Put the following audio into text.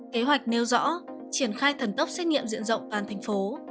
kế hoạch nêu rõ triển khai thần tốc xét nghiệm diện rộng toàn thành phố